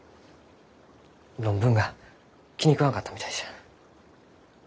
論文が気に食わんかったみたいじゃ。